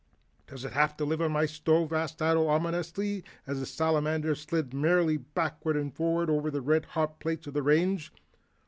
"Does it have to live on my stove?" asked Ato ominously, as the Salamander slid merrily backward and forward over the red hot plates of the range.